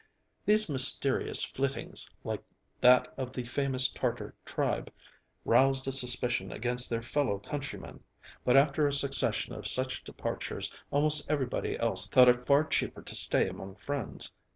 These mysterious flittings, like that of the famous Tartar tribe, roused a suspicion against their fellow countrymen, but after a succession of such departures almost everybody else thought it far cheaper to stay among friends.